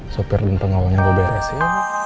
sopir dan pengolnya gue beres ya